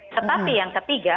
tetapi yang ketiga